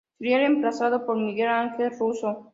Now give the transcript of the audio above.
Sería reemplazado por Miguel Ángel Russo.